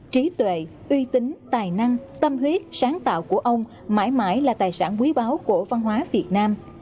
trí tuệ uy tín tài năng tâm huyết sáng tạo của ông mãi mãi là tài sản quý báu của văn hóa việt nam